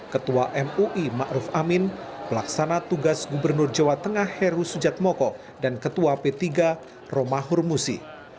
ketua mui ma'ruf amin pelaksana tugas gubernur jawa tengah heru sujat moko dan ketua p tiga romah hurmusi